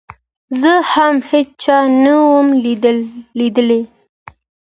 زه هم هېچا نه وم ليدلى.